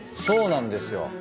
そうなんですよ。